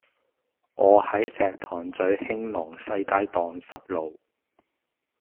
我喺石塘咀興隆西街盪失路